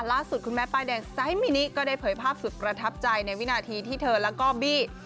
ล่าสุดคุณแม่ป้ายแดงไซส์มินิก็ได้เผยภาพสุดประทับใจในวินาทีที่เธอแล้วก็บี้